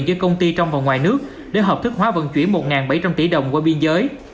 với công ty trong và ngoài nước để hợp thức hóa vận chuyển một bảy trăm linh tỷ đồng qua biên giới